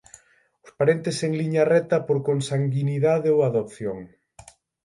Os parentes en liña recta por consanguinidade ou adopción.